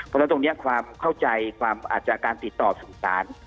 แล้วตรงนี้ความเข้าใจความอาจจะการติดต่อสูงตาล